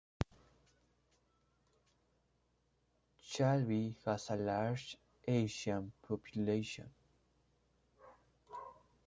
Chalvey has a large Asian population.